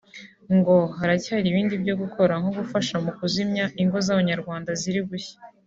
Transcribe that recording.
ngo haracyari ibindi byo gukora nko gufasha mu kuzimya ingo z’Abanyarwanda ziri gushya